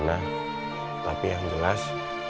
nah tapi yang jelas